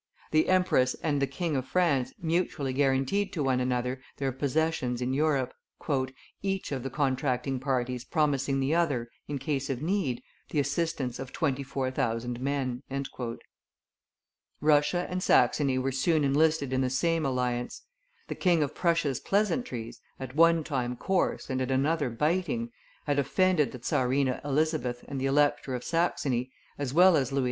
The empress and the King of France mutually guaranteed to one another their possessions in Europe, "each of the contracting parties promising the other, in case of need, the assistance of twenty four thousand men." Russia and Saxony were soon enlisted in the same alliance; the King of Prussia's pleasantries, at one time coarse and at another biting, had offended the Czarina Elizabeth and the Elector of Saxony as well as Louis XV.